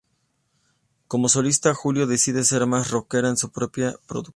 Como solista Julio decide ser más rockera en su propia producción.